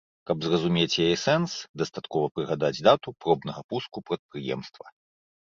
Каб зразумець яе сэнс, дастаткова прыгадаць дату пробнага пуску прадпрыемства.